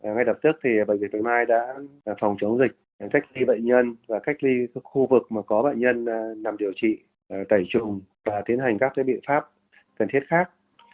ngay đập tức thì bệnh viện bạch mai đã phòng chống dịch cách ly bệnh nhân và cách ly khu vực mà có bệnh nhân nằm điều trị tẩy trùng và tiến hành các biện pháp cần thiết khác